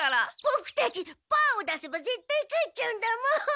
ボクたちパーを出せばぜったい勝っちゃうんだもん！